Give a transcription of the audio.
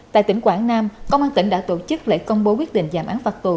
tại tỉnh quảng nam công an tỉnh đã tổ chức lễ công bố quyết định giảm án phạt tù